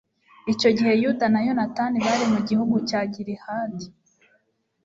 icyo igihe yuda na yonatani bari mu gihugu cya gilihadi